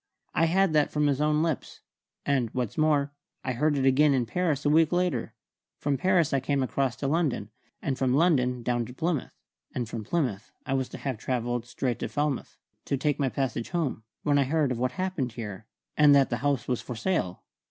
I had that from his own lips; and, what's more, I heard it again in Paris a week later. From Paris I came across to London, and from London down to Plymouth, and from Plymouth I was to have travelled straight to Falmouth, to take my passage home, when I heard of what had happened here, and that the house was for sale.